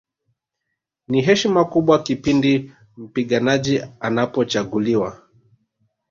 Ni heshima kubwa pindi mpiganaji anapochaguliwa